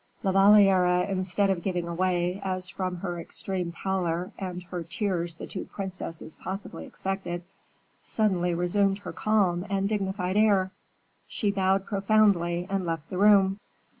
La Valliere, instead of giving way, as from her extreme pallor and her tears the two princesses possibly expected, suddenly resumed her calm and dignified air; she bowed profoundly, and left the room.